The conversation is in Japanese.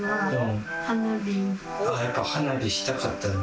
やっぱ花火したかったの？